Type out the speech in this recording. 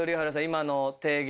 今の提言。